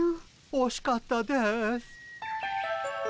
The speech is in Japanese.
おしかったです。